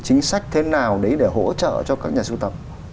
chính sách thế nào đấy để hỗ trợ cho các nhà sưu tập